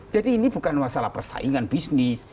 jadi ini bukan masalah persaingan bisnis